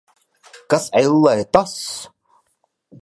Kas, ellē, tas?